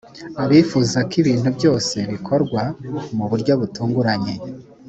abifuza ko ibintu byose bikorwa mu buryo butunganye